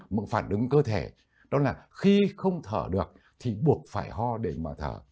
mức phản ứng cơ thể đó là khi không thở được thì buộc phải ho để mở thở